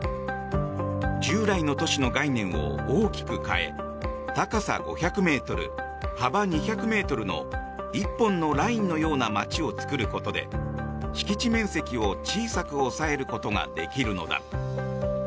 従来の都市の概念を大きく変え高さ５００ｍ、幅２００ｍの１本のラインのような街を作ることで敷地面積を小さく抑えることができるのだ。